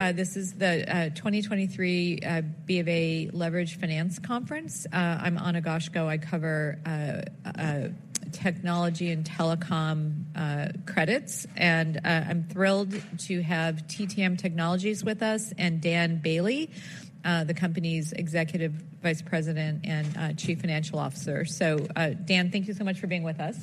This is the 2023 BofA Leveraged Finance Conference. I'm Ana Goshko. I cover technology and telecom credits, and I'm thrilled to have TTM Technologies with us, and Dan Boehle, the company's Executive Vice President and Chief Financial Officer. So, Dan, thank you so much for being with us.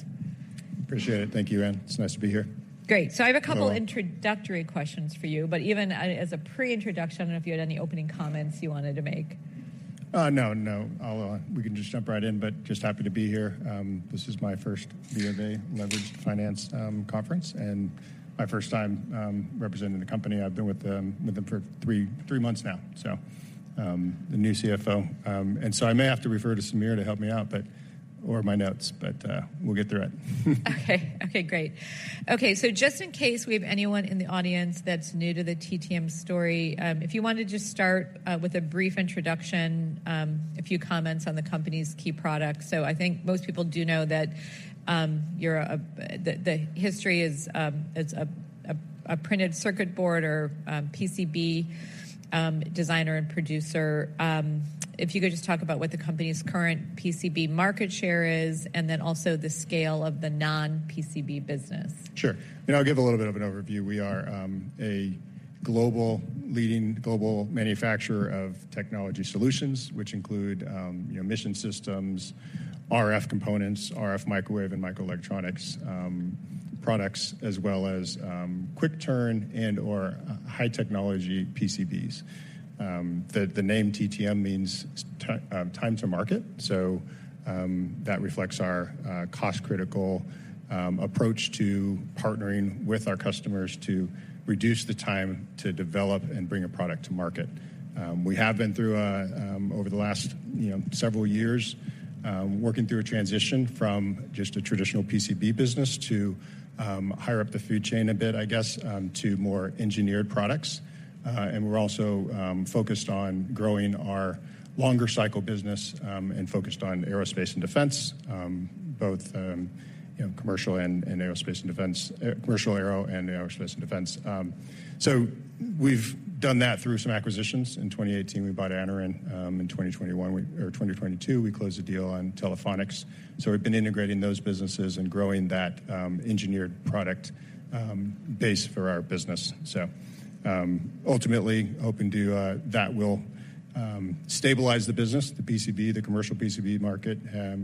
Appreciate it. Thank you, Ana. It's nice to be here. Great. Hello. So I have a couple introductory questions for you, but even as a pre-introduction, I don't know if you had any opening comments you wanted to make. No, no, I'll. We can just jump right in, but just happy to be here. This is my first BofA Leveraged Finance Conference, and my first time representing the company. I've been with them for three months now, so the new CFO. And so I may have to refer to Sameer to help me out, but or my notes, but we'll get through it. Okay. Okay, great. Okay, so just in case we have anyone in the audience that's new to the TTM story, if you want to just start with a brief introduction, a few comments on the company's key products. So I think most people do know that the history is it's a printed circuit board or PCB designer and producer. If you could just talk about what the company's current PCB market share is, and then also the scale of the non-PCB business. Sure. You know, I'll give a little bit of an overview. We are a globally leading global manufacturer of technology solutions, which include, you know, mission systems, RF components, RF microwave, and microelectronics products, as well as quick turn and/or high technology PCBs. The name TTM means time to market, so that reflects our time-critical approach to partnering with our customers to reduce the time to develop and bring a product to market. We have been through over the last, you know, several years, working through a transition from just a traditional PCB business to higher up the food chain a bit, I guess, to more engineered products. And we're also focused on growing our longer cycle business, and focused on aerospace and defense, both, you know, commercial and, and aerospace and defense, commercial aero and aerospace and defense. So we've done that through some acquisitions. In 2018, we bought Anaren. In 2021 we-- or 2022, we closed a deal on Telephonics. So we've been integrating those businesses and growing that, engineered product base for our business. So, ultimately, hoping to, that will stabilize the business. The PCB, the commercial PCB market,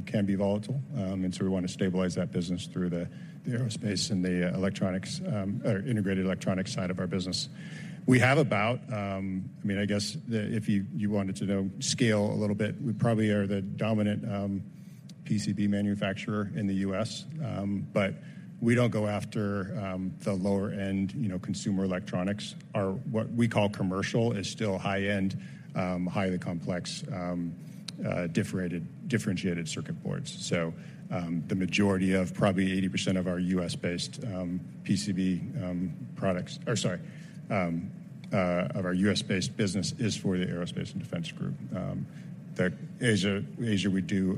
can be volatile, and so we want to stabilize that business through the, the aerospace and the electronics, or integrated electronics side of our business. We have about... I mean, I guess if you wanted to know scale a little bit, we probably are the dominant PCB manufacturer in the U.S. But we don't go after the lower-end, you know, consumer electronics. What we call commercial is still high-end, highly complex, differentiated circuit boards. So, the majority of probably 80% of our U.S.-based PCB products, or sorry, of our U.S.-based business is for the aerospace and defense group. The Asia, we do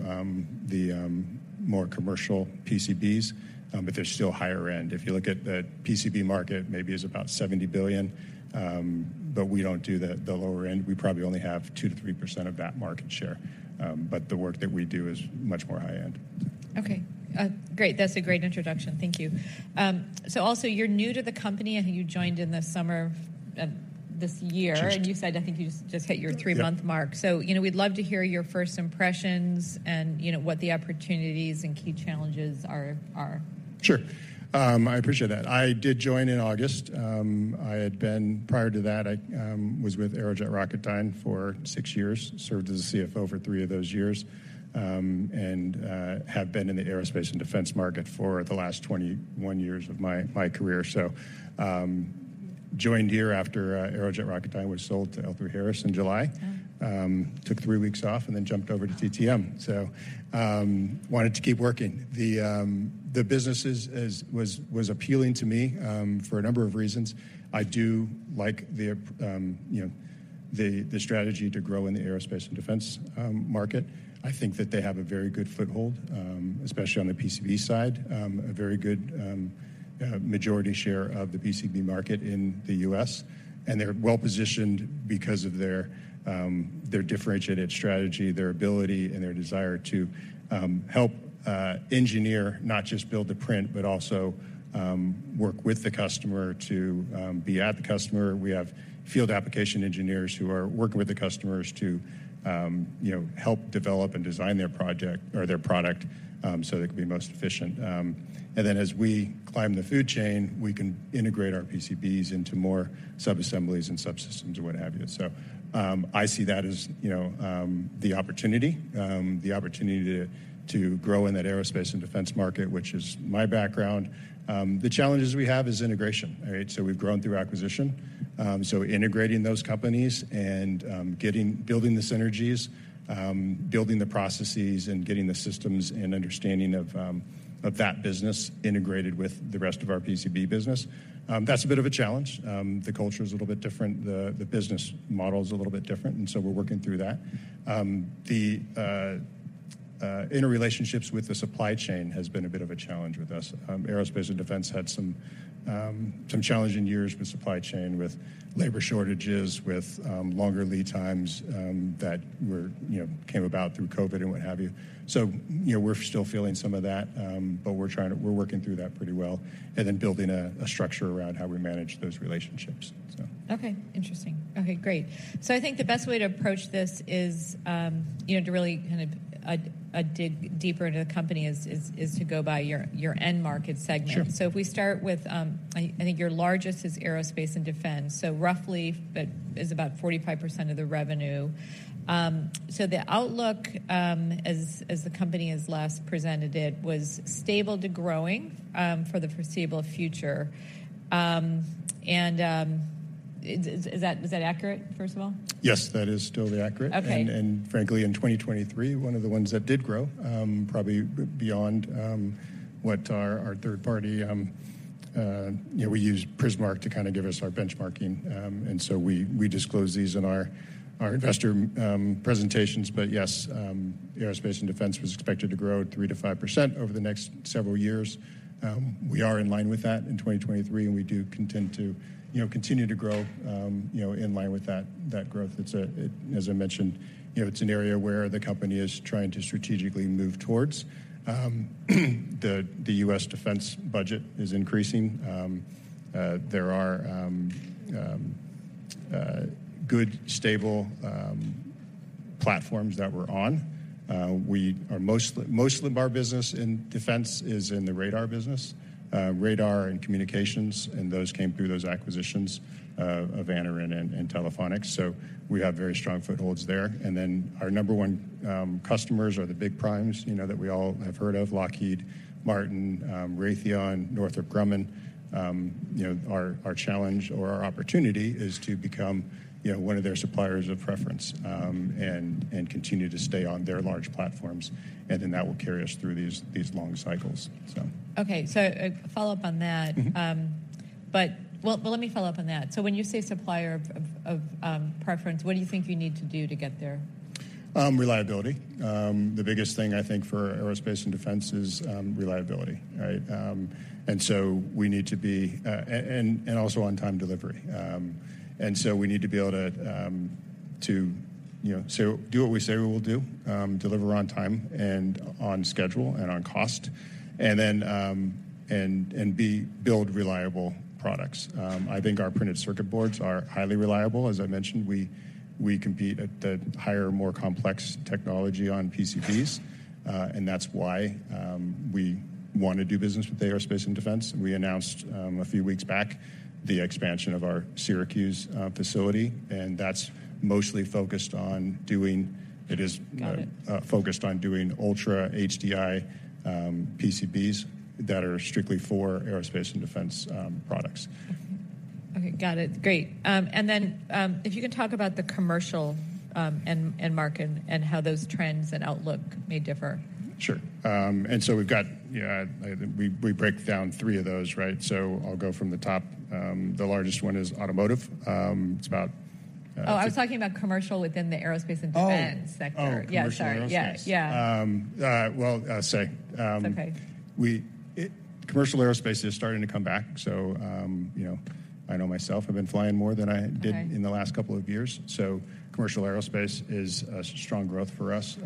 the more commercial PCBs, but they're still higher end. If you look at the PCB market, maybe it's about $70 billion, but we don't do the lower end. We probably only have 2%-3% of that market share, but the work that we do is much more high-end. Okay. Great. That's a great introduction. Thank you. So also, you're new to the company. I think you joined in the summer of this year. Just joined. You said, "I think you just, just hit your three-month mark. Yeah. You know, we'd love to hear your first impressions and, you know, what the opportunities and key challenges are. Sure. I appreciate that. I did join in August. Prior to that, I was with Aerojet Rocketdyne for six years, served as a CFO for three of those years, and have been in the aerospace and defense market for the last 21 years of my career. Joined here after Aerojet Rocketdyne was sold to L3Harris in July. Yeah. Took three weeks off and then jumped over to TTM. So, wanted to keep working. The business was appealing to me for a number of reasons. I do like the, you know, the strategy to grow in the aerospace and defense market. I think that they have a very good foothold, especially on the PCB side, a very good majority share of the PCB market in the U.S. and they're well-positioned because of their differentiated strategy, their ability, and their desire to help engineer not just build the print, but also work with the customer to be at the customer. We have field application engineers who are working with the customers to, you know, help develop and design their project or their product, so they can be most efficient. And then as we climb the food chain, we can integrate our PCBs into more subassemblies and subsystems or what have you. So, I see that as, you know, the opportunity, the opportunity to, to grow in that aerospace and defense market, which is my background. The challenges we have is integration. All right? So we've grown through acquisition. So integrating those companies and, getting, building the synergies, building the processes, and getting the systems and understanding of, of that business integrated with the rest of our PCB business, that's a bit of a challenge. The culture is a little bit different. The business model is a little bit different, and so we're working through that. The interrelationships with the supply chain has been a bit of a challenge with us. Aerospace and defense had some challenging years with supply chain, with labor shortages, with longer lead times that were, you know, came about through COVID and what have you. So, you know, we're still feeling some of that, but we're working through that pretty well, and then building a structure around how we manage those relationships, so. Okay, interesting. Okay, great. So I think the best way to approach this is, you know, to really kind of dig deeper into the company is to go by your end market segment. Sure. If we start with, I think your largest is Aerospace and Defense, so roughly, it is about 45% of the revenue. The outlook, as the company has last presented it, was stable to growing, for the foreseeable future. Is that accurate, first of all? Yes, that is still accurate. Okay. Frankly, in 2023, one of the ones that did grow, probably beyond what our third party... You know, we use Prismark to kind of give us our benchmarking. And so we disclose these in our investor presentations. But yes, aerospace and defense was expected to grow at 3%-5% over the next several years. We are in line with that in 2023, and we do intend to, you know, continue to grow, you know, in line with that growth. It's, as I mentioned, you know, it's an area where the company is trying to strategically move towards. The U.S. defense budget is increasing. There are good, stable platforms that we're on. We are most of our business in defense is in the radar business, radar and communications, and those came through those acquisitions of Anaren and Telephonics, so we have very strong footholds there. And then our number one customers are the big primes, you know, that we all have heard of, Lockheed Martin, Raytheon, Northrop Grumman. You know, our challenge or our opportunity is to become, you know, one of their suppliers of preference, and continue to stay on their large platforms, and then that will carry us through these long cycles, so. Okay. So a follow-up on that. Mm-hmm. But... Well, but let me follow up on that. So when you say supplier of preference, what do you think you need to do to get there? Reliability. The biggest thing I think for aerospace and defense is reliability, right? And so we need to be and also on-time delivery. And so we need to be able to you know say do what we say we will do, deliver on time and on schedule and on cost, and then and build reliable products. I think our printed circuit boards are highly reliable. As I mentioned, we compete at the higher, more complex technology on PCBs, and that's why we want to do business with the aerospace and defense. We announced a few weeks back the expansion of our Syracuse facility, and that's mostly focused on doing- Got it. It is focused on doing Ultra HDI PCBs that are strictly for aerospace and defense products. Okay, got it. Great. And then, if you can talk about the commercial end market and how those trends and outlook may differ. Sure. And so we've got, yeah, we break down three of those, right? So I'll go from the top. The largest one is automotive. It's about, Oh, I was talking about commercial within the aerospace and defense- Oh! -sector. Oh, commercial aerospace. Yeah. Sorry. Yes. Yeah. Well, sorry. It's okay. Commercial aerospace is starting to come back, so, you know, I know myself, I've been flying more than I- Okay... did in the last couple of years. So commercial aerospace is a strong growth for us.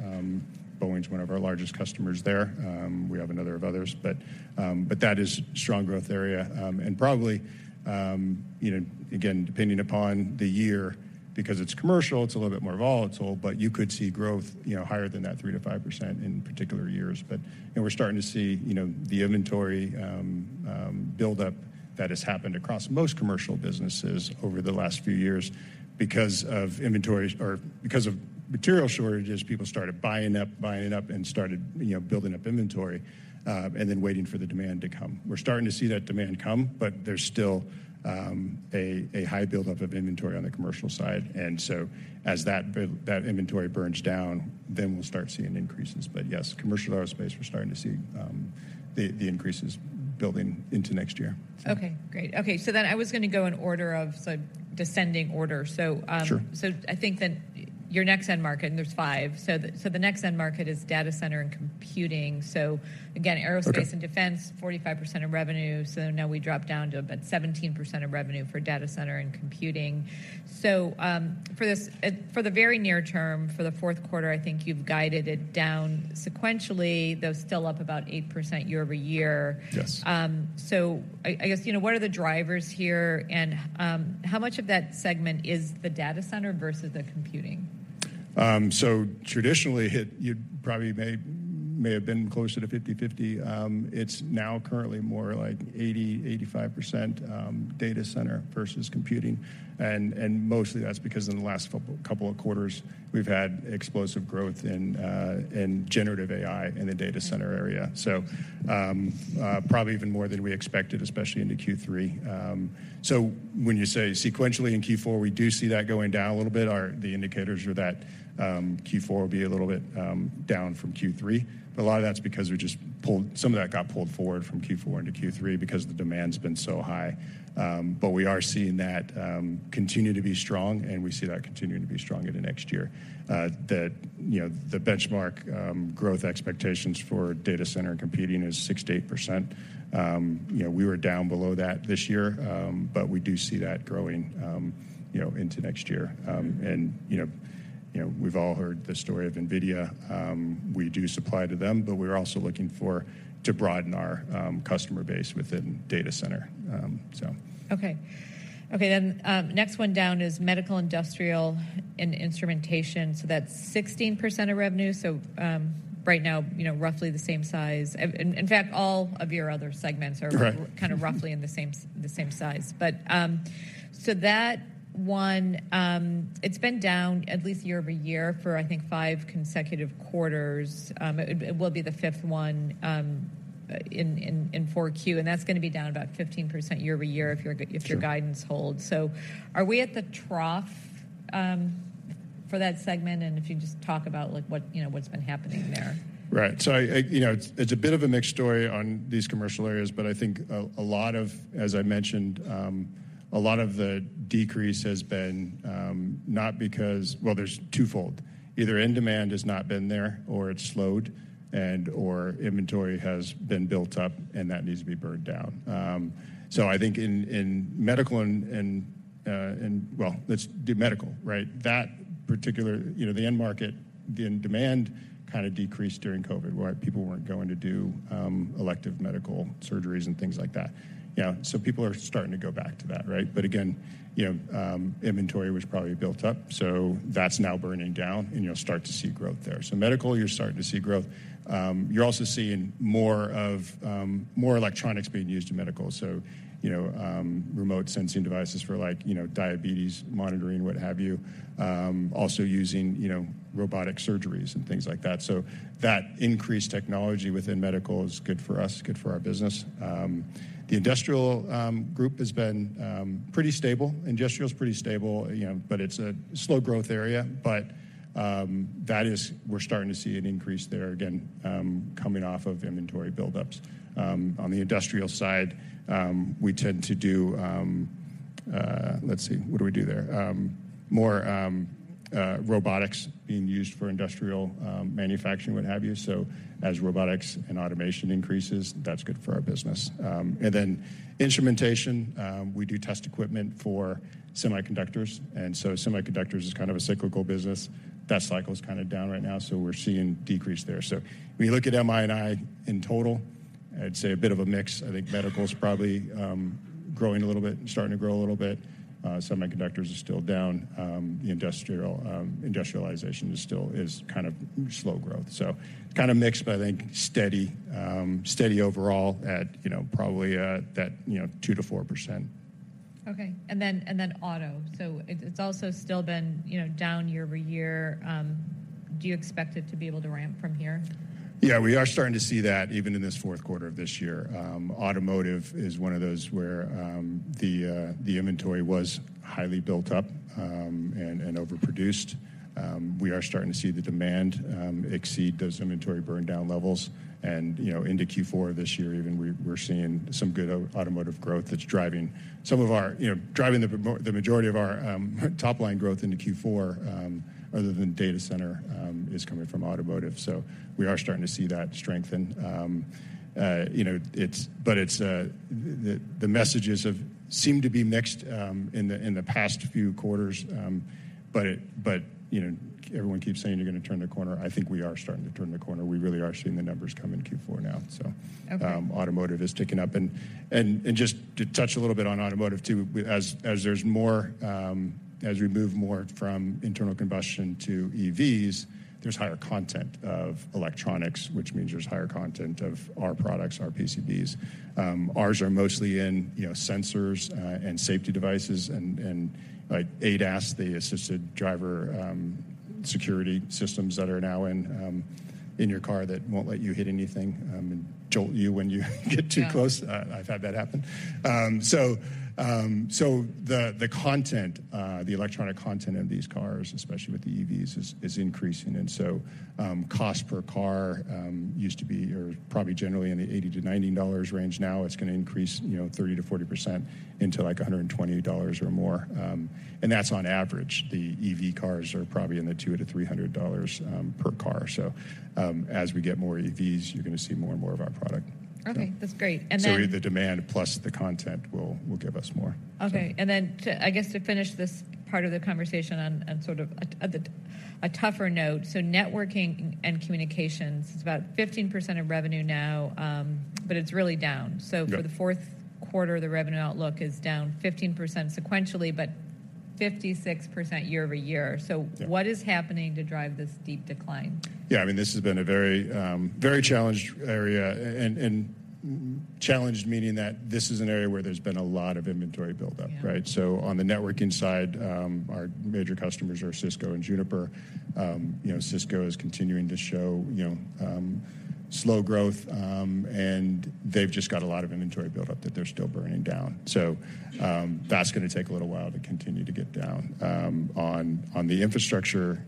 Boeing's one of our largest customers there. We have another of others, but that is strong growth area. And probably, you know, again, depending upon the year, because it's commercial, it's a little bit more volatile, but you could see growth, you know, higher than that 3%-5% in particular years. But, you know, we're starting to see, you know, the inventory build-up that has happened across most commercial businesses over the last few years because of inventories or because of material shortages. People started buying up, buying up and started, you know, building up inventory, and then waiting for the demand to come. We're starting to see that demand come, but there's still a high build-up of inventory on the commercial side, and so as that inventory burns down, then we'll start seeing increases. But yes, commercial aerospace, we're starting to see the increases building into next year. Okay, great. Okay, so then I was gonna go in order of, so descending order. So, Sure. So I think then your next end market, and there's five, so the next end market is data center and computing. So again- Okay... aerospace and defense, 45% of revenue, so now we drop down to about 17% of revenue for data center and computing. So, for this, for the very near term, for the fourth quarter, I think you've guided it down sequentially, though still up about 8% year-over-year. Yes. So I guess, you know, what are the drivers here? And, how much of that segment is the data center versus the computing? So traditionally, you probably may have been closer to 50/50. It's now currently more like 80%-85%, data center versus computing. And mostly that's because in the last couple of quarters, we've had explosive growth in Generative AI in the data center area. So probably even more than we expected, especially into Q3. So when you say sequentially in Q4, we do see that going down a little bit. The indicators are that Q4 will be a little bit down from Q3, but a lot of that's because some of that got pulled forward from Q4 into Q3 because the demand's been so high. But we are seeing that continue to be strong, and we see that continuing to be strong into next year. The, you know, the benchmark growth expectations for data center computing is 68%. You know, we were down below that this year, but we do see that growing, you know, into next year. And, you know, you know, we've all heard the story of NVIDIA. We do supply to them, but we're also looking for to broaden our customer base within data center. So- Okay. Okay, then, next one down is medical, industrial, and instrumentation. So that's 16% of revenue. So, right now, you know, roughly the same size. In fact, all of your other segments are- Correct... kind of roughly in the same size. But, so that one, it's been down at least year-over-year for, I think, five consecutive quarters. It will be the fifth one in 4Q, and that's gonna be down about 15% year-over-year if your g- Sure... if your guidance holds. So are we at the trough for that segment? And if you just talk about, like, what, you know, what's been happening there. Right. So I, you know, it's a bit of a mixed story on these commercial areas, but I think a lot of, as I mentioned, a lot of the decrease has been, not because... Well, there's twofold. Either end demand has not been there, or it's slowed, and/or inventory has been built up, and that needs to be burned down. So I think in medical and, well, let's do medical, right? That particular, you know, the end market, the end demand kind of decreased during COVID, where people weren't going to do elective medical surgeries and things like that. You know, so people are starting to go back to that, right? But again, you know, inventory was probably built up, so that's now burning down, and you'll start to see growth there. So medical, you're starting to see growth. You're also seeing more of, more electronics being used in medical. So, you know, remote sensing devices for, like, you know, diabetes monitoring, what have you. Also using, you know, robotic surgeries and things like that. So that increased technology within medical is good for us, good for our business. The industrial group has been pretty stable. Industrial is pretty stable, you know, but it's a slow growth area. But that is—we're starting to see an increase there again, coming off of inventory buildups. On the industrial side, we tend to do... Let's see. What do we do there? More robotics being used for industrial manufacturing, what have you. So as robotics and automation increases, that's good for our business. And then instrumentation, we do test equipment for semiconductors, and so semiconductors is kind of a cyclical business. That cycle is kind of down right now, so we're seeing decrease there. So when you look at MI&I in total, I'd say a bit of a mix. Mm-hmm. I think medical is probably growing a little bit, starting to grow a little bit. Semiconductors are still down. The industrial industrialization is still kind of slow growth. So kind of mixed, but I think steady, steady overall at, you know, probably that, you know, 2%-4%. Okay. And then, and then auto. So it, it's also still been, you know, down year-over-year. Do you expect it to be able to ramp from here? Yeah, we are starting to see that even in this fourth quarter of this year. Automotive is one of those where the inventory was highly built up and overproduced. We are starting to see the demand exceed those inventory burn-down levels. You know, into Q4 this year, even, we're seeing some good automotive growth that's driving some of our, you know, driving the majority of our top-line growth into Q4, other than data center, is coming from automotive. We are starting to see that strengthen. You know, it's, but it's the messages have seemed to be mixed in the past few quarters. But, you know, everyone keeps saying you're gonna turn the corner. I think we are starting to turn the corner. We really are seeing the numbers come in Q4 now. So- Okay. Automotive is ticking up. Just to touch a little bit on automotive, too, as there's more, as we move more from internal combustion to EVs, there's higher content of electronics, which means there's higher content of our products, our PCBs. Ours are mostly in, you know, sensors, and safety devices and, like, ADAS, the assisted driver, security systems that are now in, in your car that won't let you hit anything, and jolt you when you get too close. Yeah. I've had that happen. So, so the, the content, the electronic content of these cars, especially with the EVs, is, is increasing, and so, cost per car, used to be or probably generally in the $80-$90 range. Now it's gonna increase, you know, 30%-40% into, like, $120 or more. And that's on average. The EV cars are probably in the $200-$300, per car. So, as we get more EVs, you're gonna see more and more of our product. Okay, that's great. And then- The demand plus the content will give us more. Okay. And then to, I guess, to finish this part of the conversation on, on sort of a, at a, a tougher note, so networking and communications is about 15% of revenue now, but it's really down. Yeah. For the fourth quarter, the revenue outlook is down 15% sequentially, but 56% year-over-year. Yeah. What is happening to drive this steep decline? Yeah, I mean, this has been a very, very challenged area, and challenged meaning that this is an area where there's been a lot of inventory buildup, right? Yeah. So on the networking side, our major customers are Cisco and Juniper. You know, Cisco is continuing to show, you know, slow growth, and they've just got a lot of inventory buildup that they're still burning down. So, that's going to take a little while to continue to get down. On the infrastructure,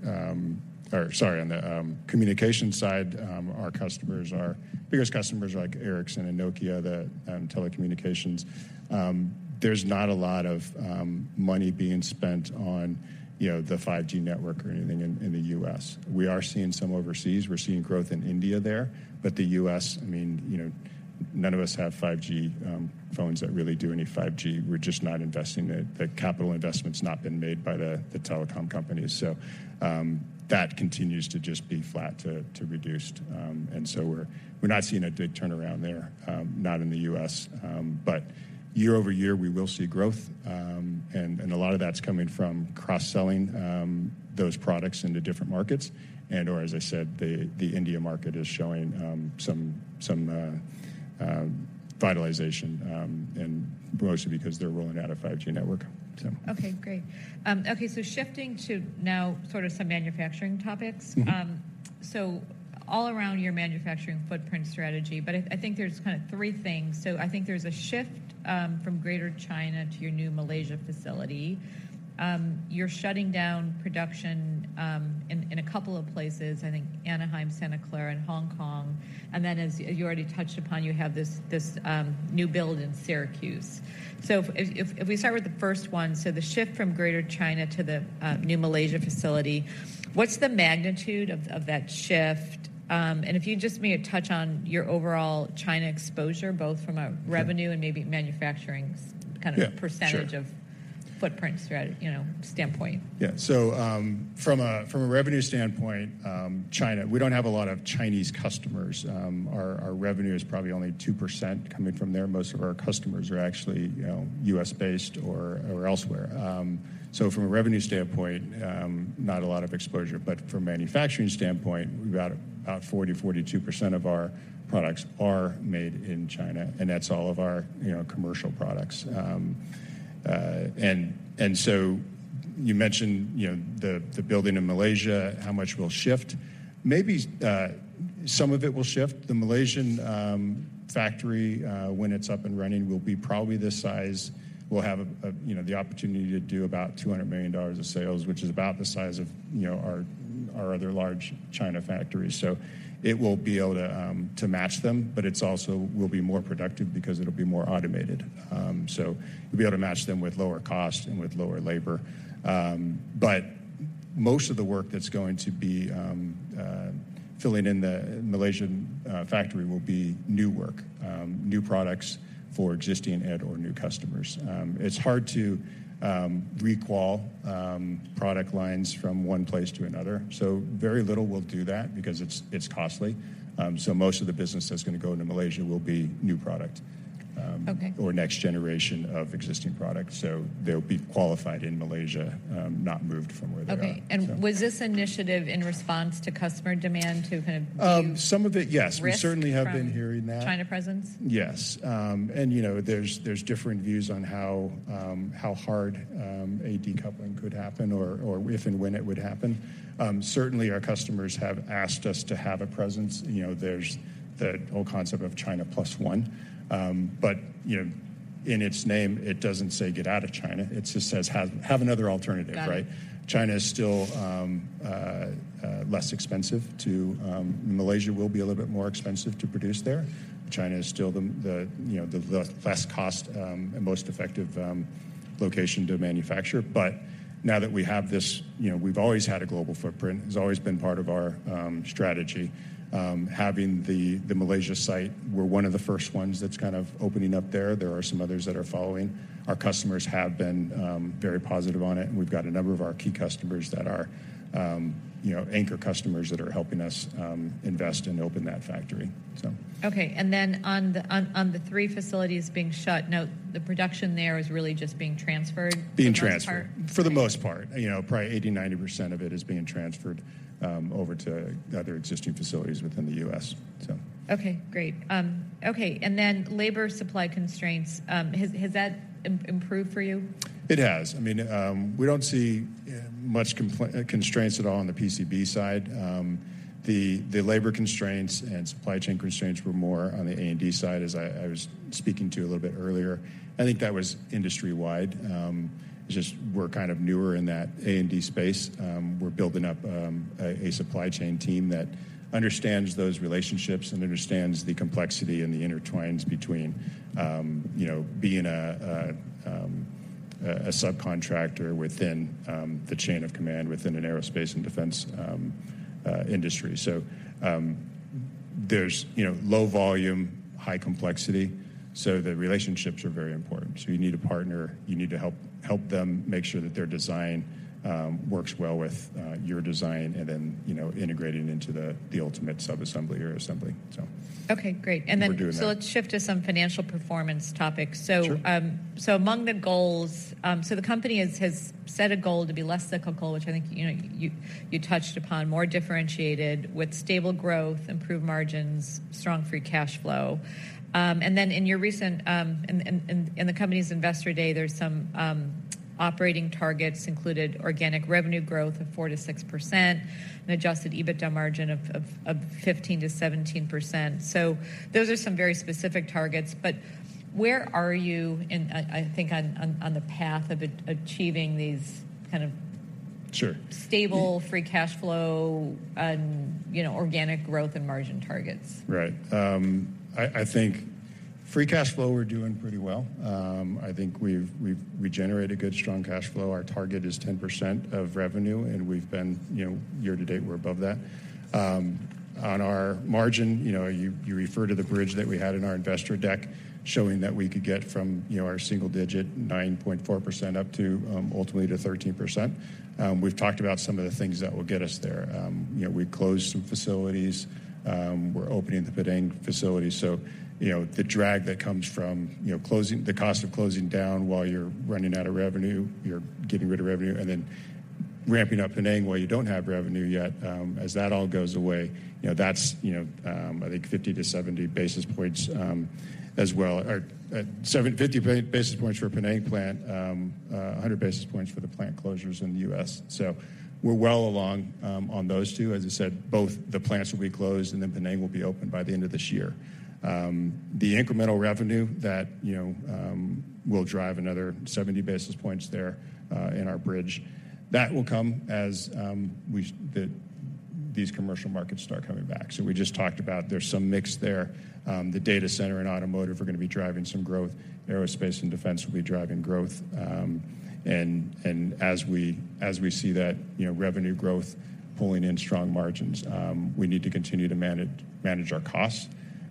or sorry, on the communication side, our customers are- biggest customers like Ericsson and Nokia, the telecommunications. There's not a lot of money being spent on, you know, the 5G network or anything in the U.S. We are seeing some overseas. We're seeing growth in India there, but the U.S., I mean, you know, none of us have 5G phones that really do any 5G. We're just not investing. The capital investment's not been made by the telecom companies. That continues to just be flat to reduced. And so we're not seeing a big turnaround there, not in the U.S. But year-over-year, we will see growth, and a lot of that's coming from cross-selling those products into different markets, and/or as I said, the India market is showing some revitalization, and mostly because they're rolling out a 5G network, so. Okay, great. Okay, so shifting to now sort of some manufacturing topics. Mm-hmm. So all around your manufacturing footprint strategy, but I, I think there's kind of three things. So I think there's a shift from Greater China to your new Malaysia facility. You're shutting down production in a couple of places, I think Anaheim, Santa Clara, and Hong Kong. And then as you already touched upon, you have this, this new build in Syracuse. So if, if, if we start with the first one, so the shift from Greater China to the new Malaysia facility, what's the magnitude of that shift? And if you just maybe touch on your overall China exposure, both from a- Sure... revenue and maybe manufacturing kind of- Yeah, sure percentage of footprint strategy, you know, standpoint. Yeah. So, from a revenue standpoint, China, we don't have a lot of Chinese customers. Our revenue is probably only 2% coming from there. Most of our customers are actually, you know, U.S.-based or elsewhere. So from a revenue standpoint, not a lot of exposure, but from a manufacturing standpoint, we've got about 40%-42% of our products are made in China, and that's all of our, you know, commercial products. And so you mentioned, you know, the building in Malaysia, how much will shift? Maybe, some of it will shift. The Malaysian factory, when it's up and running, will be probably this size. We'll have, you know, the opportunity to do about $200 million of sales, which is about the size of, you know, our other large China factories. So it will be able to match them, but it's also will be more productive because it'll be more automated. So we'll be able to match them with lower cost and with lower labor. But most of the work that's going to be filling in the Malaysian factory will be new work, new products for existing and/or new customers. It's hard to requalify product lines from one place to another, so very little will do that because it's costly. So most of the business that's going to go into Malaysia will be new product- Okay... or next generation of existing products. So they'll be qualified in Malaysia, not moved from where they are. Okay. So- Was this initiative in response to customer demand to kind of reduce? Some of it, yes. Risk- We certainly have been hearing that. China presence? Yes. And, you know, there's different views on how hard a decoupling could happen or if and when it would happen. Certainly, our customers have asked us to have a presence. You know, there's the whole concept of China Plus One. But, you know, in its name, it doesn't say get out of China. It just says, "Have another alternative," right? Got it. China is still less expensive to. Malaysia will be a little bit more expensive to produce there. China is still the you know less cost and most effective location to manufacture. But now that we have this, you know, we've always had a global footprint. It's always been part of our strategy. Having the Malaysia site, we're one of the first ones that's kind of opening up there. There are some others that are following. Our customers have been very positive on it, and we've got a number of our key customers that are you know anchor customers that are helping us invest and open that factory, so. Okay. And then on the three facilities being shut, now the production there is really just being transferred- Being transferred- For the most part... For the most part, you know, probably 80%-90% of it is being transferred over to other existing facilities within the U.S., so. Okay, great. Okay, and then labor supply constraints, has that improved for you? It has. I mean, we don't see much constraints at all on the PCB side. The labor constraints and supply chain constraints were more on the A&D side, as I was speaking to you a little bit earlier. I think that was industry-wide. Just we're kind of newer in that A&D space. We're building up a supply chain team that understands those relationships and understands the complexity and the intertwines between, you know, being a subcontractor within the chain of command within an aerospace and defense industry. So there's, you know, low volume, high complexity, so the relationships are very important. So you need a partner, you need to help, help them make sure that their design works well with your design, and then, you know, integrating into the ultimate sub-assembly or assembly, so. Okay, great. We're doing that. Let's shift to some financial performance topics. Sure. So, so among the goals, so the company has set a goal to be less cyclical, which I think, you know, you touched upon, more differentiated with stable growth, improved margins, strong free cash flow. And then in your recent in the company's investor day, there's some operating targets included organic revenue growth of 4%-6% and adjusted EBITDA margin of 15%-17%. So those are some very specific targets, but where are you in, I think on the path of achieving these kind of- Sure. stable free cash flow and, you know, organic growth and margin targets? Right. I think free cash flow, we're doing pretty well. I think we've, we generate a good, strong cash flow. Our target is 10% of revenue, and we've been, you know, year to date, we're above that. On our margin, you know, you refer to the bridge that we had in our investor deck, showing that we could get from, you know, our single digit, 9.4%, up to, ultimately to 13%. We've talked about some of the things that will get us there. You know, we closed some facilities, we're opening the Penang facility. So, you know, the drag that comes from, you know, closing the cost of closing down while you're running out of revenue, you're getting rid of revenue, and then ramping up Penang while you don't have revenue yet, as that all goes away, you know, that's, you know, I think 50-70 basis points, as well. Or, 50 basis points for Penang plant, a hundred basis points for the plant closures in the U.S. So we're well along on those two. As I said, both the plants will be closed, and then Penang will be open by the end of this year. The incremental revenue that, you know, will drive another 70 basis points there, in our bridge, that will come as these commercial markets start coming back. So we just talked about there's some mix there. The data center and automotive are going to be driving some growth. Aerospace and defense will be driving growth. And as we see that, you know, revenue growth pulling in strong margins, we need to continue to manage our costs.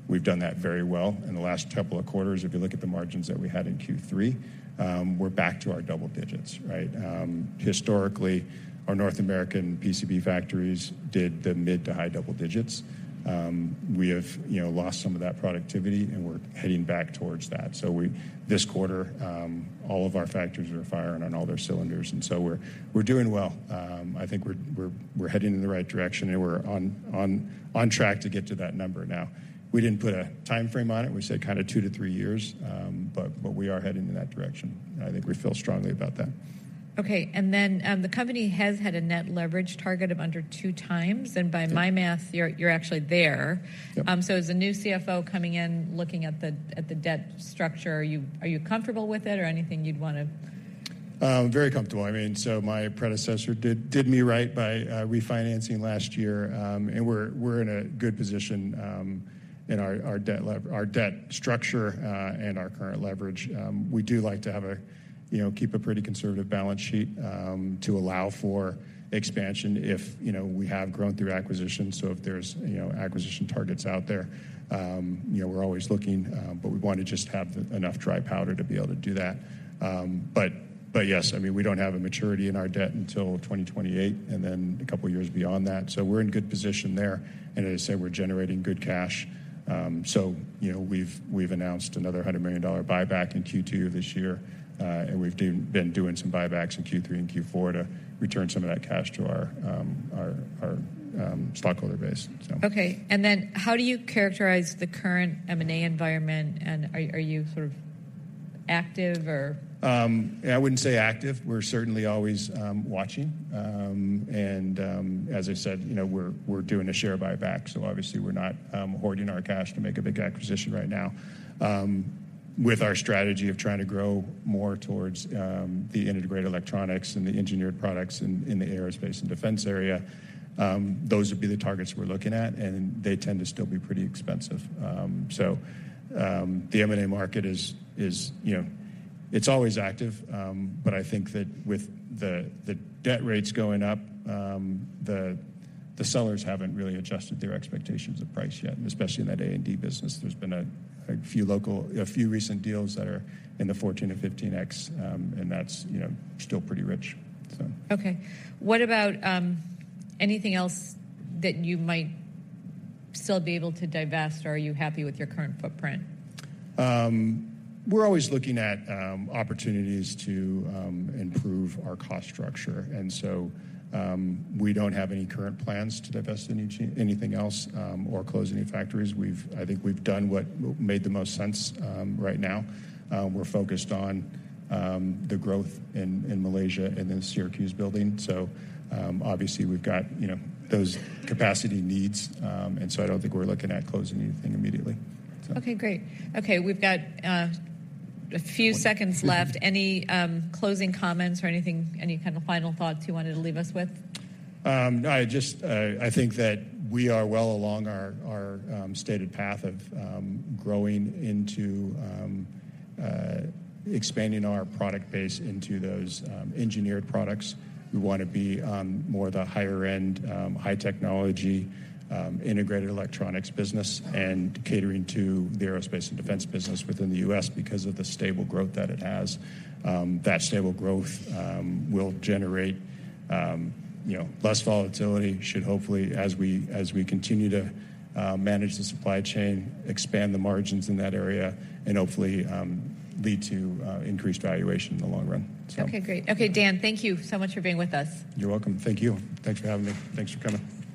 We've done that very well in the last couple of quarters. If you look at the margins that we had in Q3, we're back to our double digits, right? Historically, our North American PCB factories did the mid to high double digits. We have, you know, lost some of that productivity, and we're heading back towards that. So this quarter, all of our factories are firing on all their cylinders, and so we're doing well. I think we're heading in the right direction, and we're on track to get to that number. Now, we didn't put a timeframe on it. We said kind of two to three years, but we are heading in that direction, and I think we feel strongly about that. Okay, and then, the company has had a net leverage target of under two times. Yep. By my math, you're, you're actually there. Yep. So as a new CFO coming in, looking at the debt structure, are you comfortable with it or anything you'd want to...? Very comfortable. I mean, so my predecessor did me right by refinancing last year. And we're in a good position in our debt structure and our current leverage. We do like to have a, you know, keep a pretty conservative balance sheet to allow for expansion if, you know, we have grown through acquisition. So if there's, you know, acquisition targets out there, you know, we're always looking, but we want to just have the enough dry powder to be able to do that. But yes, I mean, we don't have a maturity in our debt until 2028 and then a couple of years beyond that. So we're in good position there, and as I said, we're generating good cash. So, you know, we've announced another $100 million buyback in Q2 of this year, and we've been doing some buybacks in Q3 and Q4 to return some of that cash to our stockholder base, so. Okay. Then how do you characterize the current M&A environment, and are you sort of active or...? I wouldn't say active. We're certainly always watching. And, as I said, you know, we're doing a share buyback, so obviously we're not hoarding our cash to make a big acquisition right now. With our strategy of trying to grow more towards the integrated electronics and the engineered products in the aerospace and defense area, those would be the targets we're looking at, and they tend to still be pretty expensive. So, the M&A market is, you know, it's always active, but I think that with the debt rates going up, the sellers haven't really adjusted their expectations of price yet, especially in that A&D business. There's been a few recent deals that are in the 14-15x, and that's, you know, still pretty rich, so. Okay. What about, anything else that you might still be able to divest, or are you happy with your current footprint? We're always looking at opportunities to improve our cost structure, and so we don't have any current plans to divest in anything else or close any factories. I think we've done what made the most sense right now. We're focused on the growth in Malaysia and the Syracuse building. So, obviously, we've got, you know, those capacity needs, and so I don't think we're looking at closing anything immediately. Okay, great. Okay, we've got a few seconds left. Okay. Any closing comments or anything, any kind of final thoughts you wanted to leave us with? I just, I think that we are well along our stated path of growing into expanding our product base into those engineered products. We want to be on more the higher-end high technology integrated electronics business and catering to the aerospace and defense business within the U.S. because of the stable growth that it has. That stable growth will generate, you know, less volatility, should hopefully, as we continue to manage the supply chain, expand the margins in that area, and hopefully lead to increased valuation in the long run. So- Okay, great. Okay, Dan, thank you so much for being with us. You're welcome. Thank you. Thanks for having me. Thanks for coming.